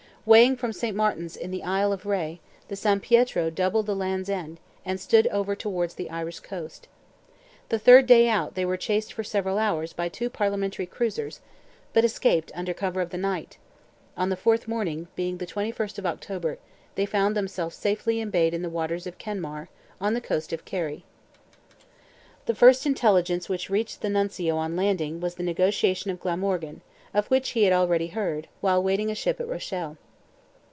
Weighing from St. Martin's in the Isle of Rhe, the San Pietro doubled the Land's End, and stood over towards the Irish coast. The third day out they were chased for several hours by two Parliamentary cruisers, but escaped under cover of the night; on the fourth morning, being the 21st of October, they found themselves safely embayed in the waters of Kenmare, on the coast of Kerry. The first intelligence which reached the Nuncio on landing, was the negotiation of Glamorgan, of which he had already heard, while waiting a ship at Rochelle.